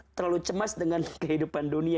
terlalu cemas dengan kehidupan dunia